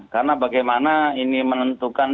karena bagaimana ini menentukan